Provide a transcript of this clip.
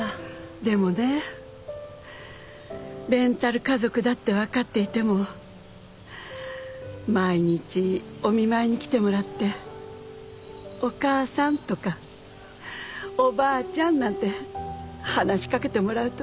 でもねレンタル家族だって分かっていても毎日お見舞いに来てもらって「お母さん」とか「おばあちゃん」なんて話し掛けてもらうと